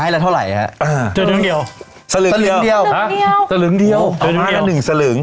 จอหา๑เหลือง๑